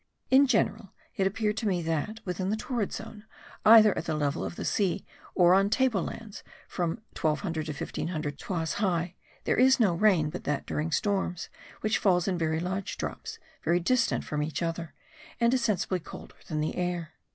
In general it appeared to me that, within the torrid zone, either at the level of the sea, or on table lands from 1200 to 1500 toises high, there is no rain but that during storms, which falls in large drops very distant from each other, and is sensibly colder than the air.